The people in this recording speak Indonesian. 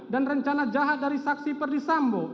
dan rencana jahat dari saksi perdisambo